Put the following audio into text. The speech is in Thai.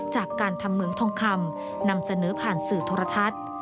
จากการทำเหมืองทองคำนำเสนอผ่านสื่อโทรทัศน์